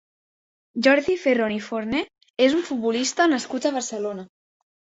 Jordi Ferrón i Forné és un futbolista nascut a Barcelona.